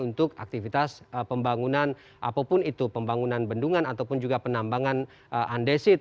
untuk aktivitas pembangunan apapun itu pembangunan bendungan ataupun juga penambangan andesit